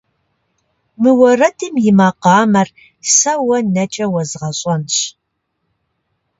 Мы уэрэдым и макъамэр сэ уэ нэкӏэ уэзгъэщӏэнщ.